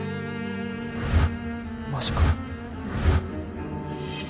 マジか。